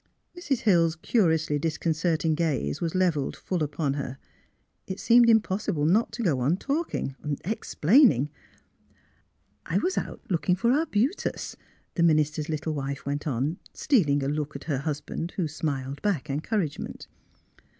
Mrs. Hill's curiously disconcerting gaze was levelled full upon her. It seemed impossible not to go on talking — explaining. '' I was out looking for arbutus," the minister's little wife went on, stealing a look at her husband, who smiled back encouragement.